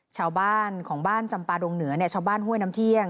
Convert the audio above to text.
ชาวบ้านของบ้านจำปาดงเหนือชาวบ้านห้วยน้ำเที่ยง